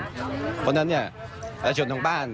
เพราะฉะนั้นประชาชนทางบ้าน